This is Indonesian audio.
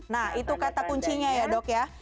nah itu kata kuncinya ya dok ya